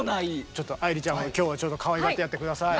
ちょっと愛理ちゃんを今日はちょっとかわいがってやって下さい。